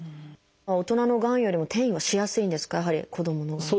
大人のがんよりも転移はしやすいんですかやはり子どものがんは。